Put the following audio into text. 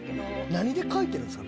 何で描いてるんすか？